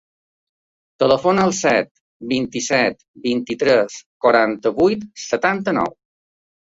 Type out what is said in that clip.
Telefona al set, vint-i-set, vint-i-tres, quaranta-vuit, setanta-nou.